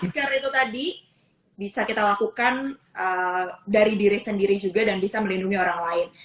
masker itu tadi bisa kita lakukan dari diri sendiri juga dan bisa melindungi orang lain